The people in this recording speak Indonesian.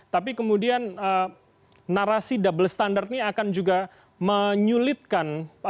tapi kemudian narasi double standard ini akan juga menyulitkan